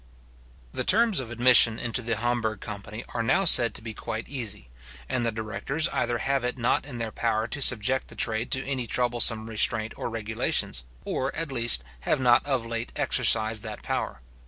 The terms of admission into the Hamburgh company are now said to be quite easy; and the directors either have it not in their power to subject the trade to any troublesome restraint or regulations, or, at least, have not of late exercised that power.